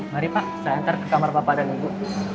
mari pak saya antar ke kamar bapak dan ibu